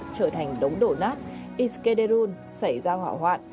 trở thành đống đổ nát iskederun xảy ra hỏa hoạn